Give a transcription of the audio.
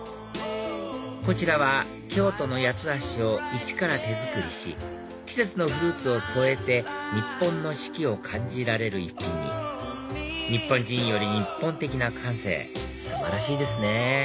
こちらは京都の八つ橋をイチから手作りし季節のフルーツを添えて日本の四季を感じられる一品に日本人より日本的な感性素晴らしいですね